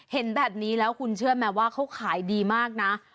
เห็นแบบนี้แล้วคุณเชื่อไหมว่าเขาขายดีมากนะ